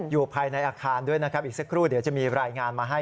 อยู่ภายในอาคารด้วยนะครับอีกสักครู่เดี๋ยวจะมีรายงานมาให้